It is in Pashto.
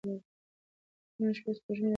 که نن شپه سپوږمۍ راوخیژي نو دښته به ښکلې شي.